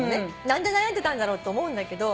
何で悩んでたんだろう？って思うんだけど。